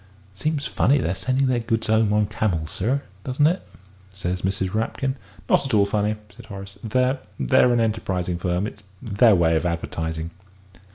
"Seems funny their sending their goods 'ome on camels, sir, doesn't it?" said Mrs. Rapkin. "Not at all funny!" said Horace; "they they're an enterprising firm their way of advertising."